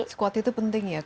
squat itu penting ya